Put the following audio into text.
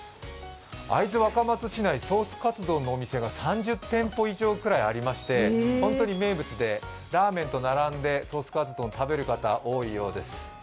会津若松市内、ソースカツ丼のお店が３０店舗以上くらいありまして本当に名物でラーメンと並んでソースカツ丼、食べる方、多いようです。